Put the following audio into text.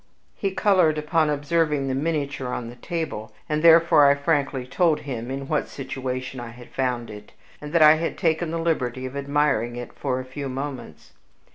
He colored upon observing the miniature on the table; and, therefore, I frankly told him in what situation I had found it, and that I had taken the liberty of admiring it for a few moments.